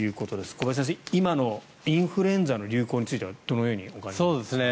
小林先生、今のインフルエンザの流行についてはどのようにお考えですか。